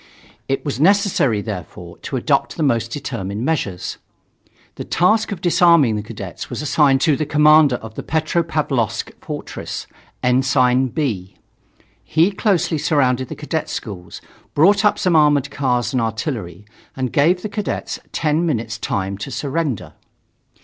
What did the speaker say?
It was necessary, therefore, to adopt the most determined measures. The task of disarming the cadets was assigned to the commandant of Petropavlovsk fortress, Ensign B. He closely surrounded the cadet schools, brought up some armored cars and artillery, and gave the cadets ten minutes' time to surrender.